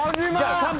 ３番。